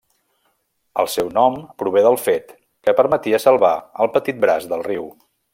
El seu nom prové del fet que permetia salvar el petit braç del riu.